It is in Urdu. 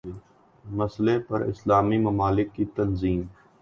مسئلے پر اسلامی ممالک کی تنظیم